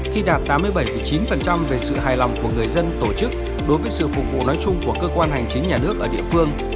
khi đạt tám mươi bảy chín về sự hài lòng của người dân tổ chức đối với sự phục vụ nói chung của cơ quan hành chính nhà nước ở địa phương